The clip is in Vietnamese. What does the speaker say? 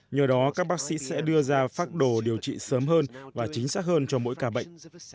nhờ đó các bác sĩ sẽ đưa ra phác đồ điều trị sớm hơn và chính xác hơn cho mỗi ca bệnh